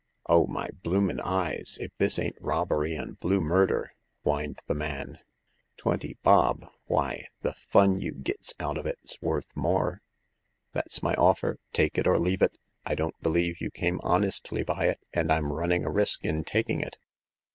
'* Oh, my bloomin' eyes ! if this ain't robbery an' blue murder !" whined the man ;" twenty bob! why, the fun you gits out of it's worth more !"" That's my offer— take it or leave it. I don't believe you came honestly by it, and I'm run ning a risk in taking it."